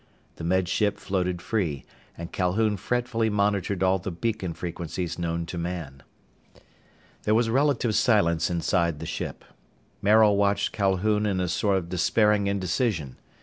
The Med Ship floated free, and Calhoun fretfully monitored all the beacon frequencies known to man. There was relative silence inside the ship. Maril watched Calhoun in a sort of despairing indecision.